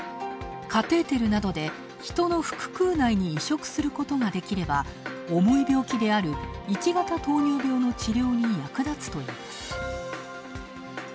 カテーテルなどで人の腹腔内に移植することができれば重い病気である１型糖尿病の治療に役立つといいます。